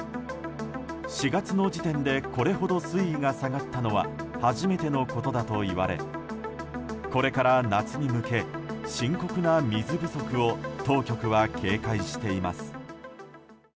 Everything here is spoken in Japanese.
４月の時点でこれほど水位が下がったのは初めてのことだといわれこれから夏に向け深刻な水不足を当局は警戒しています。